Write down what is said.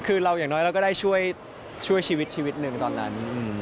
คือเราอย่างน้อยเราก็ได้ช่วยชีวิตชีวิตหนึ่งตอนนั้น